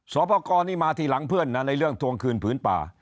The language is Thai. สอปกรมาทีหลังเพื่อนในเรื่องทวงคืนผืนป่า